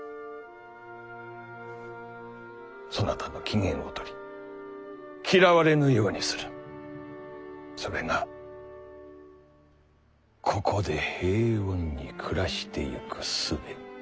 そなたの機嫌をとり嫌われぬようにするそれがここで平穏に暮らしてゆくすべ